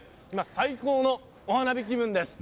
最高のお花見気分です。